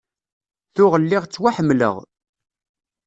Tuɣ lliɣ ttwaḥemmleɣ.